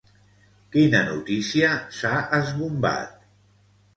Quina notícia s'ha esbombat?